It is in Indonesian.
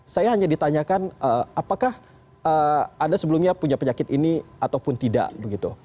saya hanya ditanyakan apakah anda sebelumnya punya penyakit ini ataupun tidak begitu